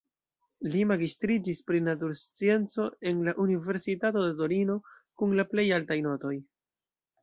Li magistriĝis pri naturscienco en la universitato de Torino kun la plej altaj notoj.